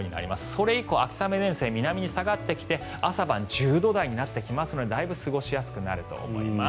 それ以降秋雨前線は南に下がってきて朝晩は１０度台になりますのでだいぶ過ごしやすくなると思います。